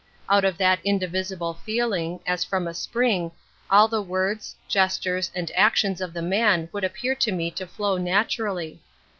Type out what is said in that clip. Out of that indivisible feeling, as from a spring, all the words, gestures, and actions of the man would appear to me to flow naturally.